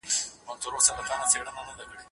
کډي بار سوې له وطنه د سرو اوښکو په اوږو کي